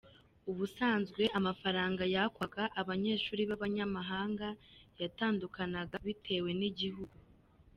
Ubusanzwe amafaranga yakwaga abanyeshuri b’abanyamahanga yatandukanaga bitewe n’igihugu.